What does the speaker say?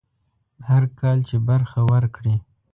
هر کال چې برخه ورکړي.